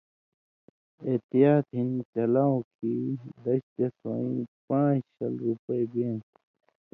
احتیاط ہِن چلاؤ کھیں دش دیس وَیں پان٘ژ شل رُپئ بیں تھی